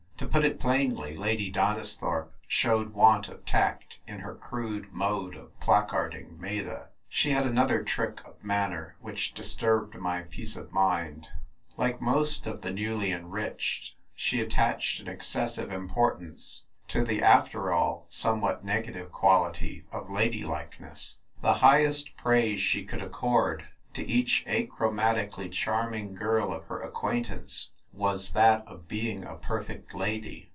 To put it plainly, Lady Donisthorpe showed want of tact in her crude mode of placarding Meta. She had another trick Oi ' nanner which disturbed my peace of mind ; like most of the 1^4 THE TVPE WRITKk fllKL. iK wly LMirichecl, she attached an excessive importance to the after all somewhat negative quality of ladylikencss. The highest praise she could accord to each aciiromatically charming girl of her accpiaintance was that of being " a perfect lady."